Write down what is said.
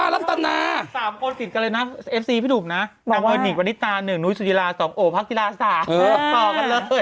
๓คนติดกันเลยนะเอฟซีพี่ดุ๊บนะน้ำเอิ่นนิกวันนี้ตา๑นุ้ยสุดีรา๒โอพรรคกีฬาสาต่อกันแล้วเฮ้ย